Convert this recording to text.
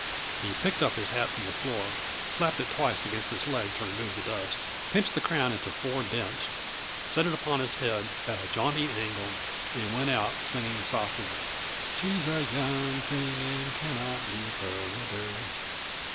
He picked up his hat from the floor, slapped it twice against his leg to remove the dust, pinched the crown into four dents, set it upon his head at a jaunty angle and went out, singing softly: "She's a young thing, and cannot leave her mother."